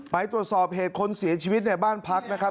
ไปตรวจสอบเหตุคนเสียชีวิตในบ้านพักนะครับ